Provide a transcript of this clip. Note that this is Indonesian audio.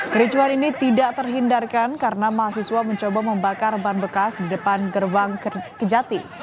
kericuhan ini tidak terhindarkan karena mahasiswa mencoba membakar ban bekas di depan gerbang kejati